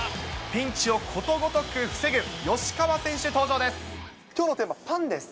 ピンチをことごとく防ぐ吉川選手登場です。